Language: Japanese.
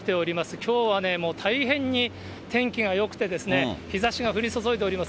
きょうはね、もう大変に天気がよくて、日ざしが降り注いでおります。